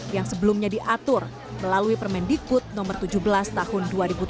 yang sebelumnya diatur melalui permendikut nomor tujuh belas tahun dua ribu tujuh belas